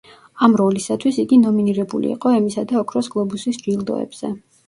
ამ როლისათვის იგი ნომინირებული იყო ემისა და ოქროს გლობუსის ჯილდოებზე.